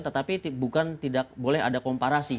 tetapi bukan tidak boleh ada komparasi